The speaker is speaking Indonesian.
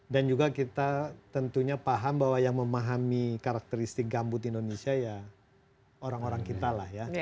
dan juga kita tentunya paham bahwa yang memahami karakteristik gambut indonesia ya orang orang kita lah ya